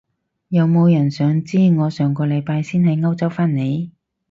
有冇人想知我上個禮拜先喺歐洲返嚟？